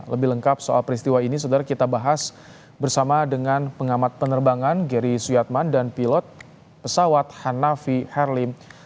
lebih lengkap soal peristiwa ini saudara kita bahas bersama dengan pengamat penerbangan gary suyatman dan pilot pesawat hanafi harlim